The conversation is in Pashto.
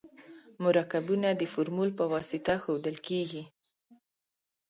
مرکبونه د فورمول په واسطه ښودل کیږي.